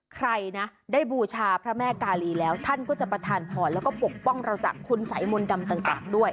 ใครนะได้บูชาพระแม่กาลีแล้วท่านก็จะประทานพรแล้วก็ปกป้องเราจากคุณสัยมนต์ดำต่างด้วย